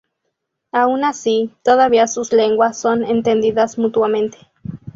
Aun así, todavía sus lenguas son entendidas mutuamente.